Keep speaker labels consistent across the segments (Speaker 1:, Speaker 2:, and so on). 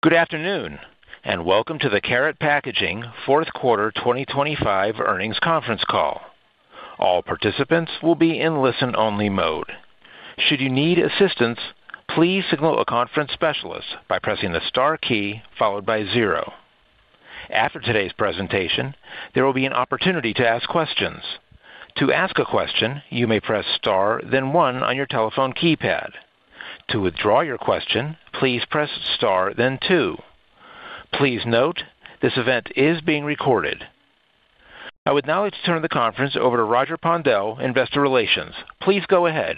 Speaker 1: Good afternoon, and welcome to the Karat Packaging fourth quarter 2025 earnings conference call. All participants will be in listen-only mode. Should you need assistance, please signal a conference specialist by pressing the star key followed by zero. After today's presentation, there will be an opportunity to ask questions. To ask a question, you may press star then one on your telephone keypad. To withdraw your question, please press star then two. Please note, this event is being recorded. I would now like to turn the conference over to Roger Pondel, Investor Relations. Please go ahead.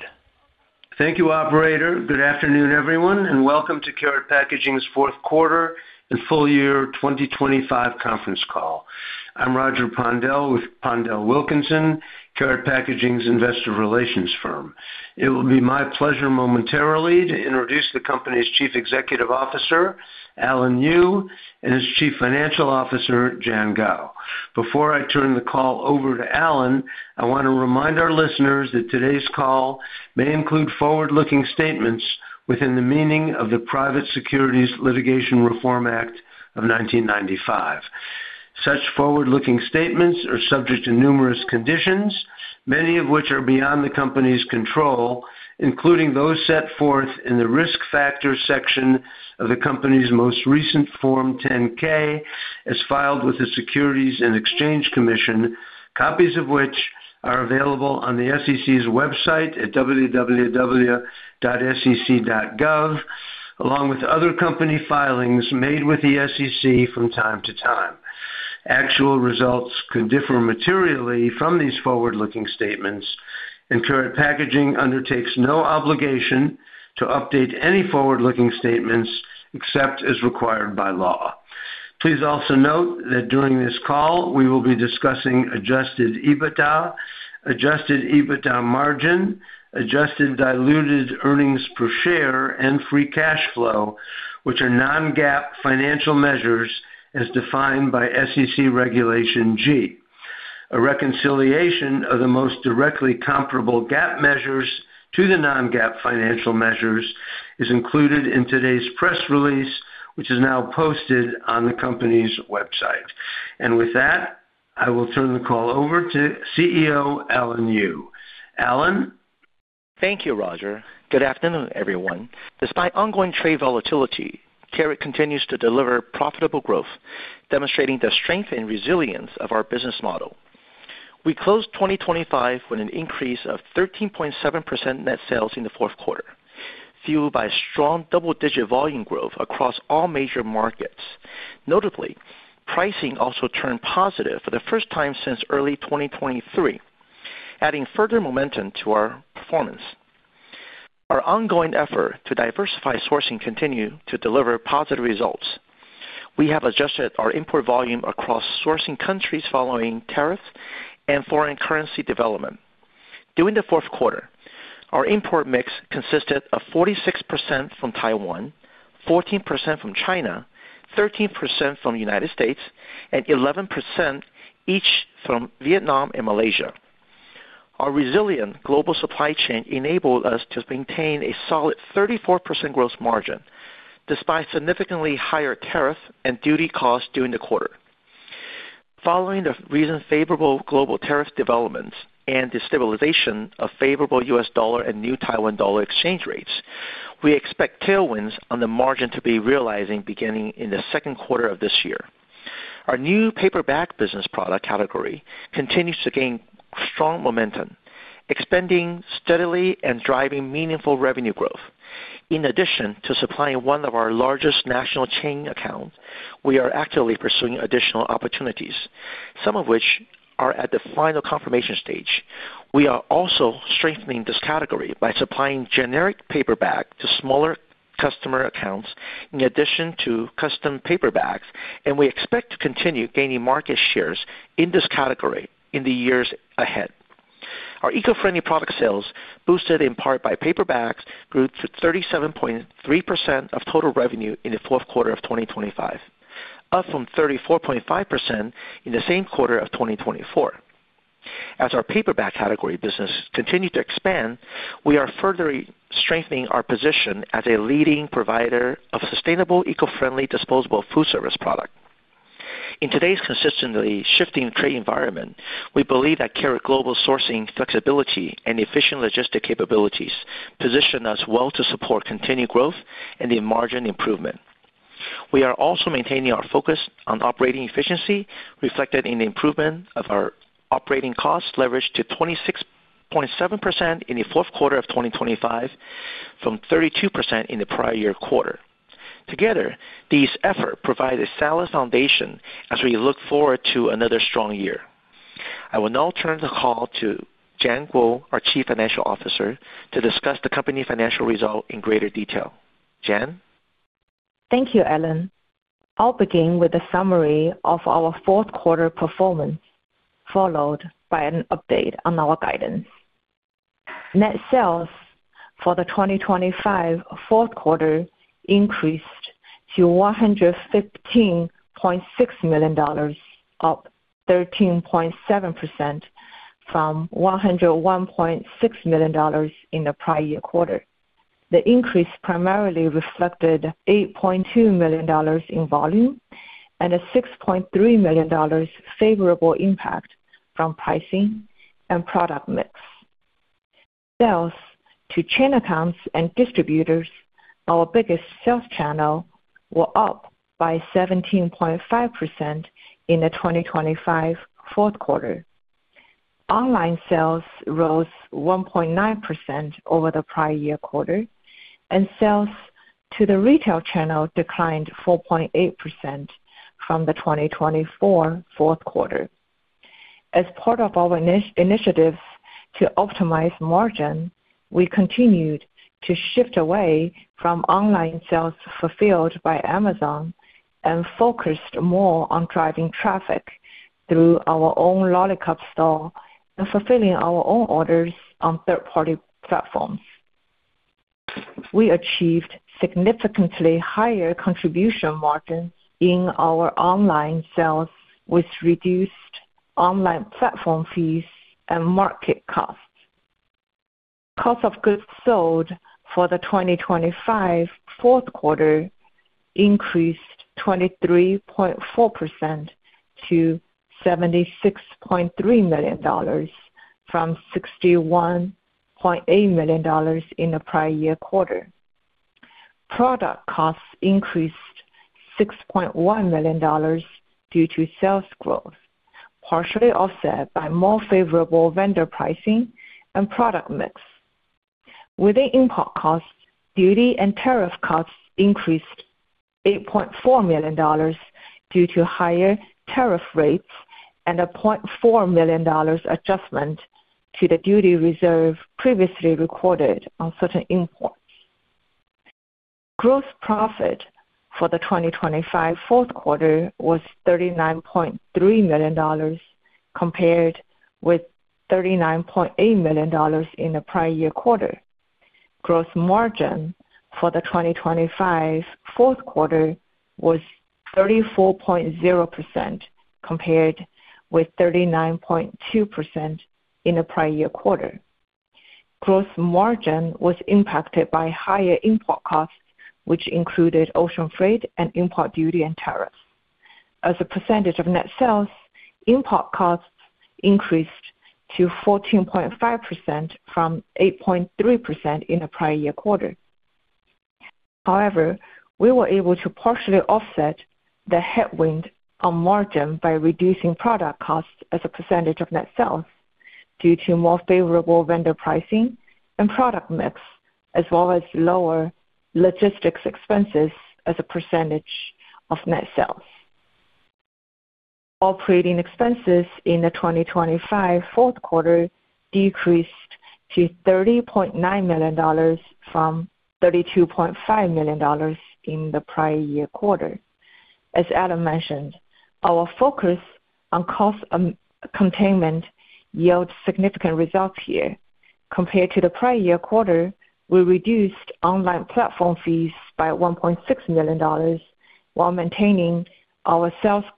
Speaker 2: Thank you, operator. Good afternoon, everyone, and welcome to Karat Packaging's fourth quarter and full year 2025 conference call. I'm Roger Pondel with PondelWilkinson, Karat Packaging's investor relations firm. It will be my pleasure momentarily to introduce the company's Chief Executive Officer, Alan Yu, and his Chief Financial Officer, Jian Guo. Before I turn the call over to Alan, I want to remind our listeners that today's call may include forward-looking statements within the meaning of the Private Securities Litigation Reform Act of 1995. Such forward-looking statements are subject to numerous conditions, many of which are beyond the company's control, including those set forth in the Risk Factors section of the company's most recent Form 10-K as filed with the Securities and Exchange Commission, copies of which are available on the SEC's website at www.sec.gov, along with other company filings made with the SEC from time to time. Actual results could differ materially from these forward-looking statements, and Karat Packaging undertakes no obligation to update any forward-looking statements except as required by law. Please also note that during this call, we will be discussing adjusted EBITDA, adjusted EBITDA margin, adjusted diluted earnings per share and free cash flow, which are non-GAAP financial measures as defined by SEC Regulation G. A reconciliation of the most directly comparable GAAP measures to the non-GAAP financial measures is included in today's press release, which is now posted on the company's website. With that, I will turn the call over to CEO, Alan Yu. Alan?
Speaker 3: Thank you, Roger. Good afternoon, everyone. Despite ongoing trade volatility, Karat continues to deliver profitable growth, demonstrating the strength and resilience of our business model. We closed 2025 with an increase of 13.7% net sales in the fourth quarter, fueled by strong double-digit volume growth across all major markets. Notably, pricing also turned positive for the first time since early 2023, adding further momentum to our performance. Our ongoing effort to diversify sourcing continue to deliver positive results. We have adjusted our import volume across sourcing countries following tariff and foreign currency development. During the fourth quarter, our import mix consisted of 46% from Taiwan, 14% from China, 13% from the United States, and 11% each from Vietnam and Malaysia. Our resilient global supply chain enabled us to maintain a solid 34% gross margin despite significantly higher tariff and duty costs during the quarter. Following the recent favorable global tariff developments and the stabilization of favorable U.S. dollar and New Taiwan dollar exchange rates, we expect tailwinds on the margin to be realizing beginning in the second quarter of this year. Our new paper bag business product category continues to gain strong momentum, expanding steadily and driving meaningful revenue growth. In addition to supplying one of our largest national chain accounts, we are actively pursuing additional opportunities, some of which are at the final confirmation stage. We are also strengthening this category by supplying generic paper bag to smaller customer accounts in addition to custom paper bags, and we expect to continue gaining market shares in this category in the years ahead. Our eco-friendly product sales, boosted in part by paper bags, grew to 37.3% of total revenue in the fourth quarter of 2025, up from 34.5% in the same quarter of 2024. As our paper bag category business continue to expand, we are further strengthening our position as a leading provider of sustainable, eco-friendly, disposable food service product. In today's consistently shifting trade environment, we believe that Karat's global sourcing flexibility and efficient logistics capabilities position us well to support continued growth and the margin improvement. We are also maintaining our focus on operating efficiency, reflected in the improvement of our operating costs leverage to 26.7% in the fourth quarter of 2025 from 32% in the prior year quarter. Together, these effort provide a solid foundation as we look forward to another strong year. I will now turn the call to Jian Guo, our Chief Financial Officer, to discuss the company's financial results in greater detail. Jian?
Speaker 4: Thank you, Alan. I'll begin with a summary of our fourth quarter performance, followed by an update on our guidance. Net sales for the 2025 fourth quarter increased to $115.6 million, up 13.7%. From $101.6 million in the prior year quarter. The increase primarily reflected $8.2 million in volume and a $6.3 million favorable impact from pricing and product mix. Sales to chain accounts and distributors, our biggest sales channel, were up by 17.5% in the 2025 fourth quarter. Online sales rose 1.9% over the prior year quarter, and sales to the retail channel declined 4.8% from the 2024 fourth quarter. As part of our initiatives to optimize margin, we continued to shift away from online sales fulfilled by Amazon and focused more on driving traffic through our own Lollicup store and fulfilling our own orders on third-party platforms. We achieved significantly higher contribution margin in our online sales with reduced online platform fees and market costs. Cost of goods sold for the 2025 fourth quarter increased 23.4% to $76.3 million from $61.8 million in the prior year quarter. Product costs increased $6.1 million due to sales growth, partially offset by more favorable vendor pricing and product mix. Within import costs, duty and tariff costs increased $8.4 million due to higher tariff rates and a $0.4 million adjustment to the duty reserve previously recorded on certain imports. Gross profit for the 2025 fourth quarter was $39.3 million, compared with $39.8 million in the prior year quarter. Gross margin for the 2025 fourth quarter was 34.0% compared with 39.2% in the prior year quarter. Gross margin was impacted by higher import costs, which included ocean freight and import duty and tariffs. As a percentage of net sales, import costs increased to 14.5% from 8.3% in the prior year quarter. However, we were able to partially offset the headwind on margin by reducing product costs as a percentage of net sales due to more favorable vendor pricing and product mix, as well as lower logistics expenses as a percentage of net sales. Operating expenses in the 2025 fourth quarter decreased to $30.9 million from $32.5 million in the prior year quarter. As Alan Yu mentioned, our focus on cost containment yield significant results here. Compared to the prior year quarter, we reduced online platform fees by $1.6 million while maintaining our sales growth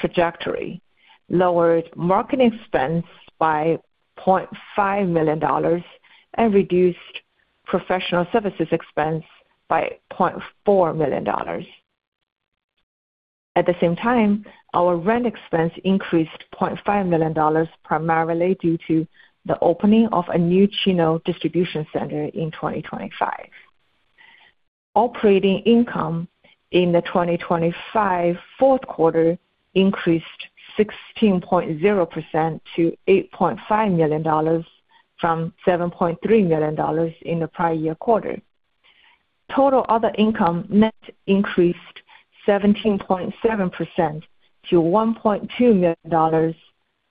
Speaker 4: trajectory, lowered marketing expense by $0.5 million, and reduced professional services expense by $0.4 million. At the same time, our rent expense increased $0.5 million, primarily due to the opening of a new Chino distribution center in 2025. Operating income in the 2025 fourth quarter increased 16.0% to $8.5 million from $7.3 million in the prior year quarter. Total other income net increased 17.7% to $1.2 million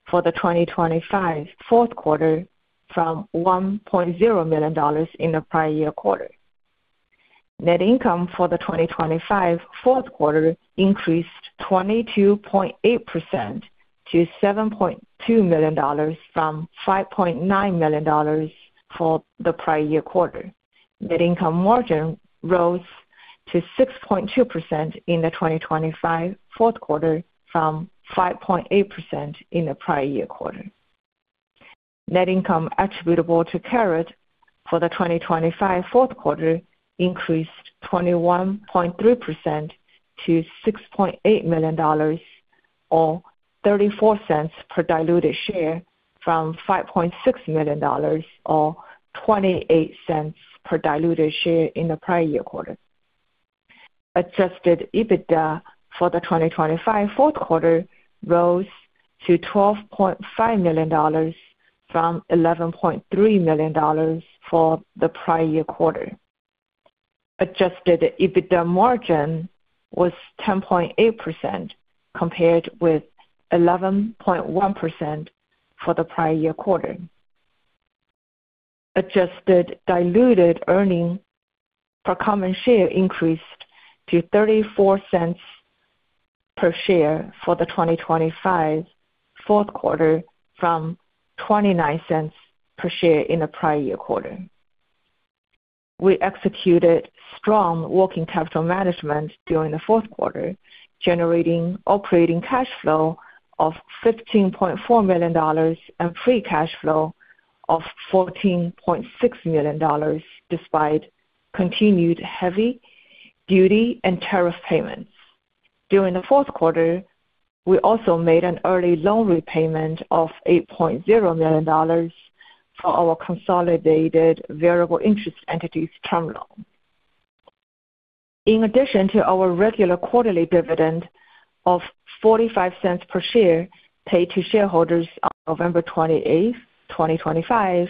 Speaker 4: for the 2025 fourth quarter from $1.0 million in the prior year quarter. Net income for the 2025 fourth quarter increased 22.8% to $7.2 million from $5.9 million for the prior year quarter. Net income margin rose to 6.2% in the 2025 fourth quarter from 5.8% in the prior year quarter. Net income attributable to Karat for the 2025 fourth quarter increased 21.3% to $6.8 million, or $0.34 per diluted share from $5.6 million or $0.28 per diluted share in the prior year quarter. Adjusted EBITDA for the 2025 fourth quarter rose to $12.5 million from $11.3 million for the prior year quarter. Adjusted EBITDA margin was 10.8% compared with 11.1% for the prior year quarter. Adjusted diluted earnings per common share increased to $0.34 per share for the 2025 fourth quarter, from $0.29 per share in the prior year quarter. We executed strong working capital management during the fourth quarter, generating operating cash flow of $15.4 million and free cash flow of $14.6 million, despite continued hefty duties and tariff payments. During the fourth quarter, we also made an early loan repayment of $8.0 million for our consolidated variable interest entities term loan. In addition to our regular quarterly dividend of $0.45 per share paid to shareholders on November 28, 2025,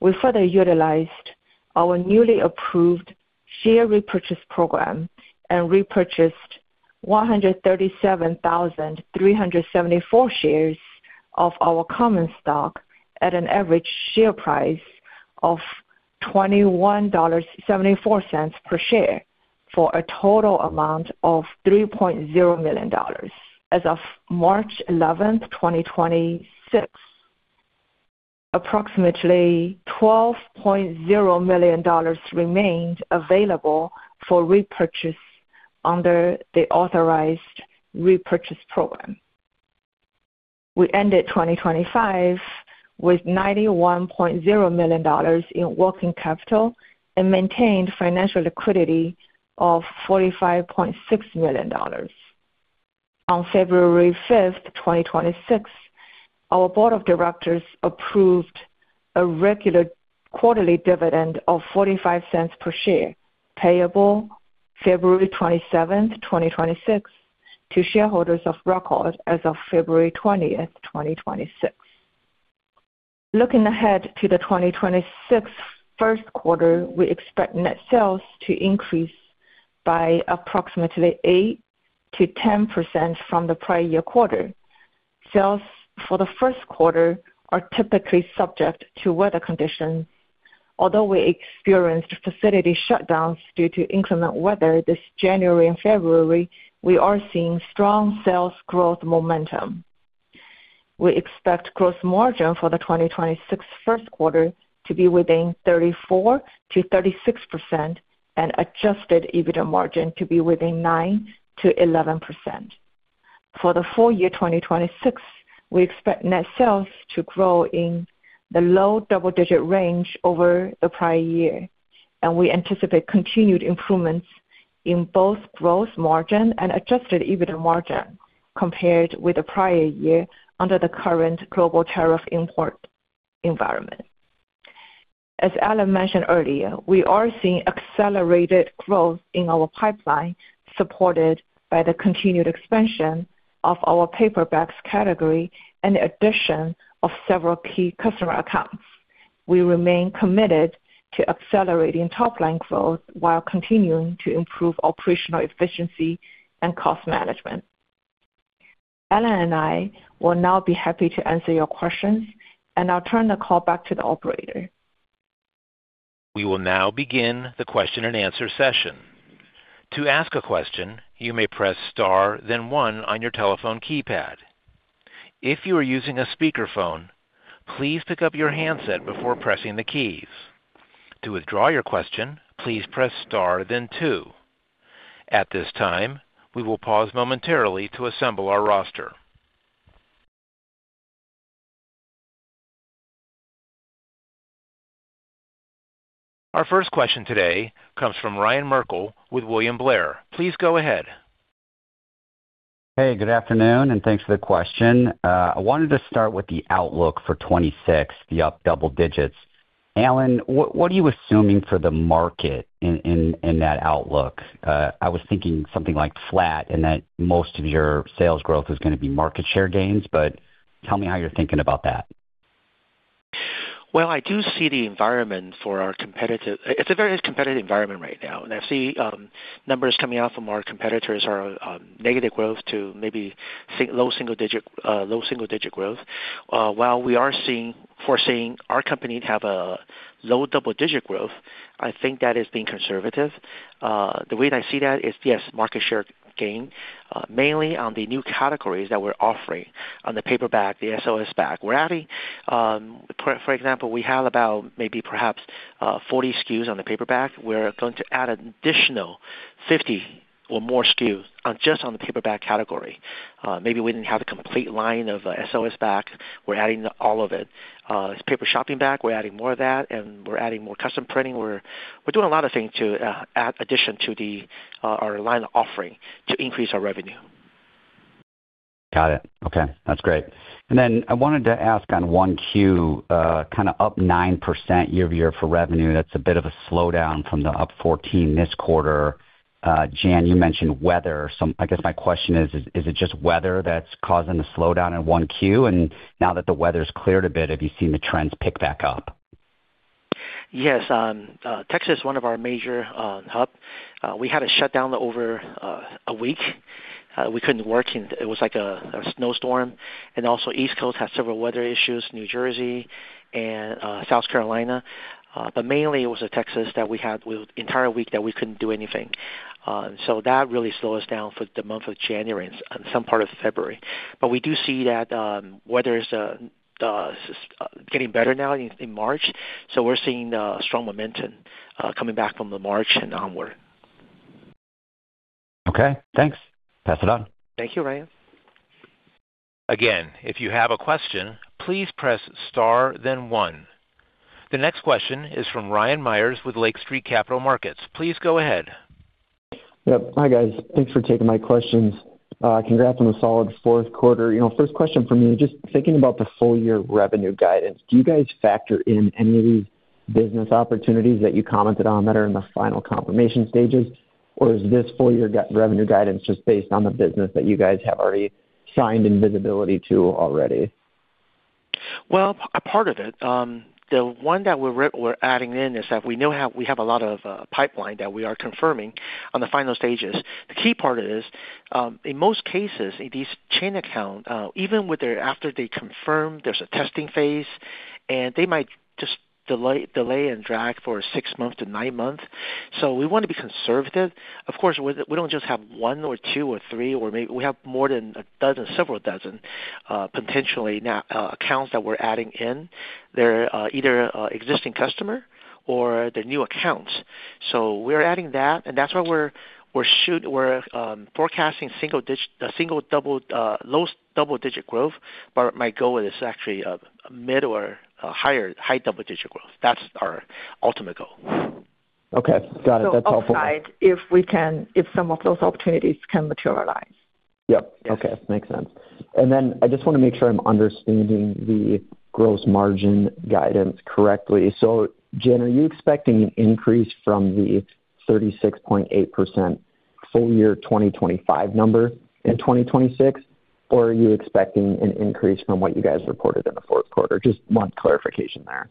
Speaker 4: we further utilized our newly approved share repurchase program and repurchased 137,374 shares of our common stock at an average share price of $21.74 per share for a total amount of $3.0 million. As of March 11th, 2026, approximately $12.0 million remained available for repurchase under the authorized repurchase program. We ended 2025 with $91.0 million in working capital and maintained financial liquidity of $45.6 million. On February 5th, 2026, our board of directors approved a regular quarterly dividend of $0.45 per share, payable February 27th, 2026, to shareholders of record as of February 20th, 2026. Looking ahead to the 2026 first quarter, we expect net sales to increase by approximately 8%-10% from the prior year quarter. Sales for the first quarter are typically subject to weather conditions. Although we experienced facility shutdowns due to inclement weather this January and February, we are seeing strong sales growth momentum. We expect gross margin for the 2026 first quarter to be within 34%-36% and adjusted EBITDA margin to be within 9%-11%. For the full year 2026, we expect net sales to grow in the low double-digit range over the prior year, and we anticipate continued improvements in both gross margin and adjusted EBITDA margin compared with the prior year under the current global tariff import environment. As Alan mentioned earlier, we are seeing accelerated growth in our pipeline, supported by the continued expansion of our paper bags category and the addition of several key customer accounts. We remain committed to accelerating top-line growth while continuing to improve operational efficiency and cost management. Alan and I will now be happy to answer your questions, and I'll turn the call back to the operator.
Speaker 1: We will now begin the question-and-answer session. To ask a question, you may press star then one on your telephone keypad. If you are using a speakerphone, please pick up your handset before pressing the keys. To withdraw your question, please press star then two. At this time, we will pause momentarily to assemble our roster. Our first question today comes from Ryan Merkel with William Blair. Please go ahead.
Speaker 5: Hey, good afternoon, and thanks for the question. I wanted to start with the outlook for 2026, the up double digits. Alan, what are you assuming for the market in that outlook? I was thinking something like flat and that most of your sales growth is gonna be market share gains, but tell me how you're thinking about that.
Speaker 3: Well, it's a very competitive environment right now. I see numbers coming out from our competitors are negative growth to maybe low single digit growth. While we are foreseeing our company to have a low double-digit growth, I think that is being conservative. The way that I see that is, yes, market share gain, mainly on the new categories that we're offering on the paper bag, the SOS bag. We're adding, for example, we have about maybe perhaps 40 SKUs on the paper bag. We're going to add an additional 50 or more SKUs just on the paper bag category. Maybe we didn't have the complete line of SOS bag. We're adding all of it. It's paper shopping bag. We're adding more of that, and we're adding more custom printing. We're doing a lot of things, in addition to our line offering, to increase our revenue.
Speaker 5: Got it. Okay, that's great. I wanted to ask on 1Q, kind of up 9% year-over-year for revenue. That's a bit of a slowdown from the up 14% this quarter. Jian, you mentioned weather somewhat. I guess my question is it just weather that's causing the slowdown in 1Q? Now that the weather's cleared a bit, have you seen the trends pick back up?
Speaker 3: Yes. Texas, one of our major hub, we had a shutdown over a week. We couldn't work, and it was like a snowstorm. East Coast had several weather issues, New Jersey and South Carolina. But mainly it was Texas that we had with entire week that we couldn't do anything. So that really slowed us down for the month of January and some part of February. We do see that weather is getting better now in March. We're seeing strong momentum coming back from the March and onward.
Speaker 5: Okay, thanks. Pass it on.
Speaker 3: Thank you, Ryan.
Speaker 1: Again, if you have a question, please press star then one. The next question is from Ryan Meyers with Lake Street Capital Markets. Please go ahead.
Speaker 6: Yep. Hi, guys. Thanks for taking my questions. Congrats on the solid fourth quarter. You know, first question from me, just thinking about the full year revenue guidance, do you guys factor in any of these business opportunities that you commented on that are in the final confirmation stages? Or is this full year revenue guidance just based on the business that you guys have already signed and visibility to already?
Speaker 3: Well, a part of it. The one that we're adding in is that we know how we have a lot of pipeline that we are confirming on the final stages. The key part is, in most cases, these chain accounts even with that, after they confirm there's a testing phase, and they might just delay and drag for six months to nine months. We wanna be conservative. Of course, we don't just have one or two or three, we have more than a dozen, several dozen, potentially now, accounts that we're adding in. They're either existing customers or they're new accounts. We're adding that, and that's why we're forecasting low double-digit growth. My goal is actually a mid- or high double-digit growth. That's our ultimate goal.
Speaker 6: Okay. Got it. That's helpful.
Speaker 4: Upside if some of those opportunities can materialize.
Speaker 6: Yep. Okay. Makes sense. I just wanna make sure I'm understanding the gross margin guidance correctly. Jian, are you expecting an increase from the 36.8% full year 2025 number in 2026? Or are you expecting an increase from what you guys reported in the fourth quarter? Just want clarification there.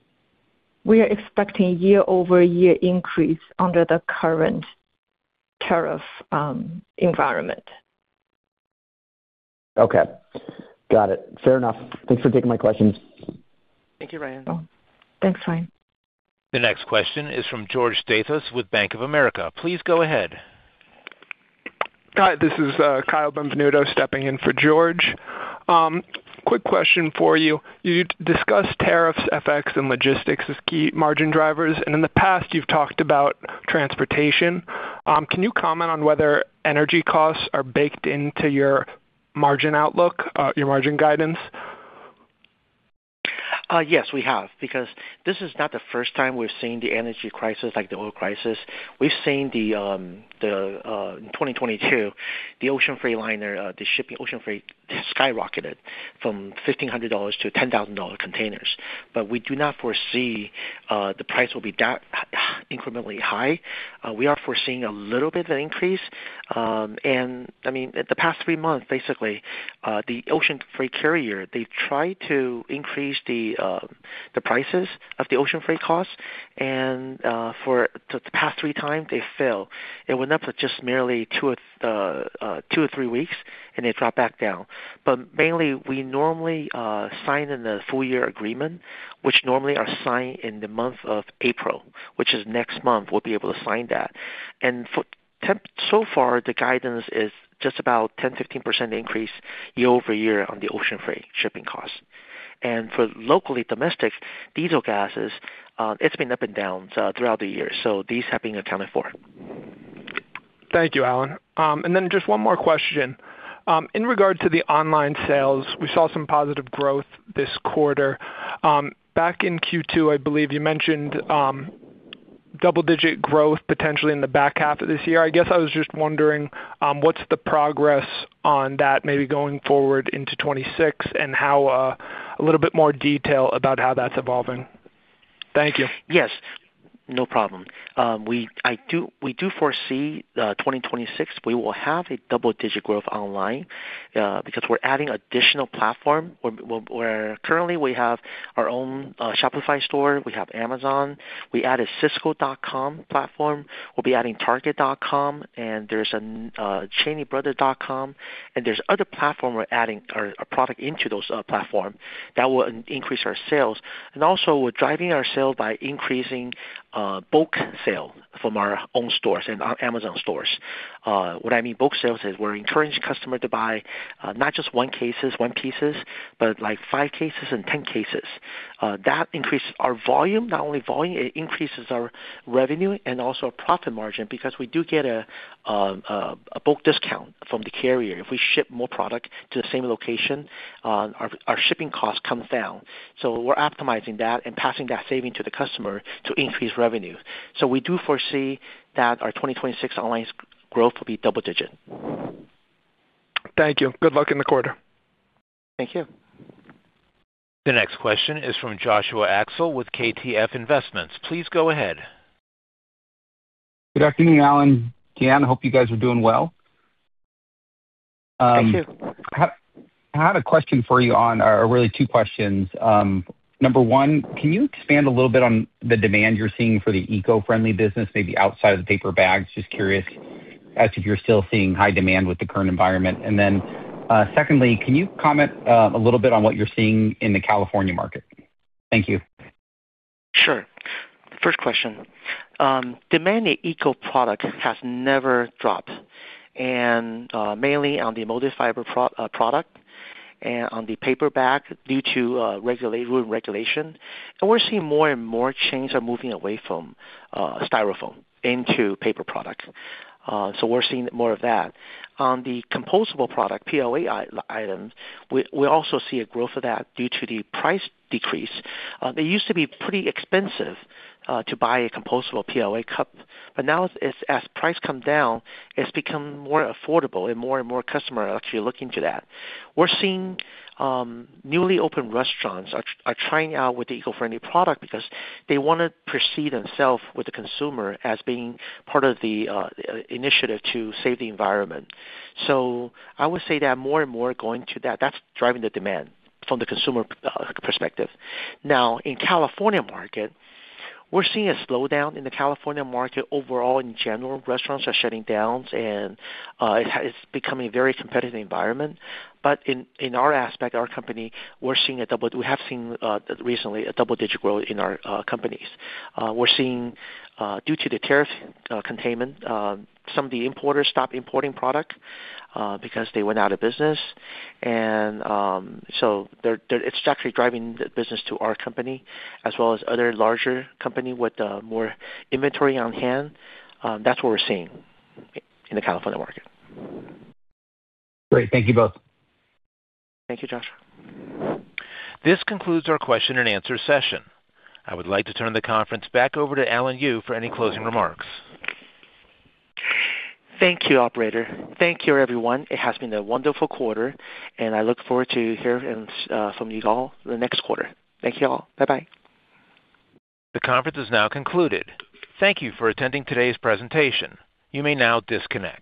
Speaker 4: We are expecting year-over-year increase under the current tariff environment.
Speaker 6: Okay. Got it. Fair enough. Thanks for taking my questions.
Speaker 3: Thank you, Ryan.
Speaker 4: Thanks, Ryan.
Speaker 1: The next question is from George Staphos with Bank of America. Please go ahead.
Speaker 7: Hi, this is Kyle Benvenuto stepping in for George. Quick question for you. You discussed tariffs, FX, and logistics as key margin drivers, and in the past you've talked about transportation. Can you comment on whether energy costs are baked into your margin outlook, your margin guidance?
Speaker 3: Yes, we have, because this is not the first time we're seeing the energy crisis like the oil crisis. We've seen in 2022, the ocean freight liner, the shipping ocean freight skyrocketed from $1,500 to $10,000 containers. We do not foresee the price will be that incrementally high. We are foreseeing a little bit of an increase. I mean, the past three months, basically, the ocean freight carrier, they've tried to increase the prices of the ocean freight costs and, for the past three times they fail. It went up for just merely two or three weeks, and they dropped back down. Mainly, we normally sign the full year agreement, which normally are signed in the month of April, which is next month. We'll be able to sign that. So far the guidance is just about 10%-15% increase year-over-year on the ocean freight shipping costs. For locally domestic diesel gases, it's been up and down throughout the year. These have been accounted for.
Speaker 7: Thank you, Alan. Just one more question. In regard to the online sales, we saw some positive growth this quarter. Back in Q2, I believe you mentioned double digit growth potentially in the back half of this year. I guess I was just wondering what's the progress on that maybe going forward into 2026 and how a little bit more detail about how that's evolving. Thank you.
Speaker 3: Yes, no problem. We do foresee 2026, we will have double-digit growth online because we're adding additional platform. We're currently we have our own Shopify store. We have Amazon. We added Sysco.com platform. We'll be adding Target.com, and there's an Cheney Brothers.com. There are other platform we're adding or a product into those platform that will increase our sales. We're also driving our sales by increasing bulk sale from our own stores and our Amazon stores. What I mean bulk sales is we're encouraging customer to buy not just one cases, one pieces, but like five cases and 10 cases. That increases our volume. Not only volume, it increases our revenue and also our profit margin because we do get a bulk discount from the carrier. If we ship more product to the same location, our shipping costs come down. We're optimizing that and passing that savings to the customer to increase revenue. We do foresee that our 2026 online growth will be double-digit.
Speaker 7: Thank you. Good luck in the quarter.
Speaker 3: Thank you.
Speaker 1: The next question is from Joshua Axel with KTF Investments. Please go ahead.
Speaker 8: Good afternoon, Alan, Jian. Hope you guys are doing well.
Speaker 3: Thank you.
Speaker 8: I have a question for you, or really two questions. Number one, can you expand a little bit on the demand you're seeing for the eco-friendly business, maybe outside of the paper bags? Just curious as if you're still seeing high demand with the current environment. Secondly, can you comment a little bit on what you're seeing in the California market? Thank you.
Speaker 3: Sure. First question, demand in eco product has never dropped and mainly on the molded fiber product and on the paper bag due to regulation. We're seeing more and more chains are moving away from Styrofoam into paper products. We're seeing more of that. On the compostable product, PLA items, we also see a growth of that due to the price decrease. They used to be pretty expensive to buy a compostable PLA cup, but now as price come down, it's become more affordable and more and more customers are actually looking to that. We're seeing newly opened restaurants are trying out with the eco-friendly product because they wanna position themselves with the consumer as being part of the initiative to save the environment. I would say that more and more going to that's driving the demand from the consumer perspective. Now, in California market, we're seeing a slowdown in the California market. Overall, in general, restaurants are shutting down and it's becoming a very competitive environment. In our aspect, our company, we have seen recently a double-digit growth in our companies. We're seeing due to the tariff containment, some of the importers stop importing product because they went out of business. It's actually driving the business to our company as well as other larger company with more inventory on hand. That's what we're seeing in the California market. Great.
Speaker 8: Thank you both.
Speaker 3: Thank you, Joshua.
Speaker 1: This concludes our question and answer session. I would like to turn the conference back over to Alan Yu for any closing remarks.
Speaker 3: Thank you, operator. Thank you, everyone. It has been a wonderful quarter, and I look forward to hearing from you all the next quarter. Thank you all. Bye-bye.
Speaker 1: The conference is now concluded. Thank you for attending today's presentation. You may now disconnect.